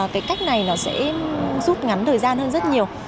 cái cách này nó sẽ rút ngắn thời gian hơn rất nhiều